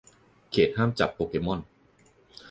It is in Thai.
เขตห้ามจับโปเกม่อน